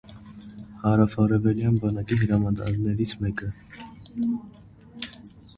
Հարավարևելյան բանակի հրամանատարներից մեկը։